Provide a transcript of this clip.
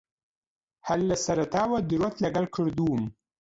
ھەر لە سەرەتاوە درۆت لەگەڵ کردووم.